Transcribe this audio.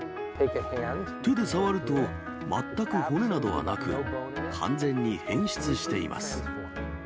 手で触ると、全く骨などはなく、完全に変質しています。